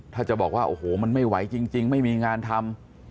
ถ้าจะบอกว่าโอ้โหมันไม่ไหวจริงไม่มีงานทำ